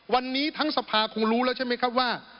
วันนี้ทั้งสภาคงรู้แล้วใช่ไหมครับว่า